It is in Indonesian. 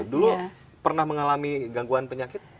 dulu pernah mengalami gangguan penyakit